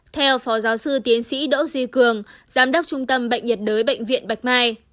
theo phó giáo sư tiến sĩ đỗ duy cường giám đốc trung tâm bệnh nhiệt đới bệnh viện bạch mai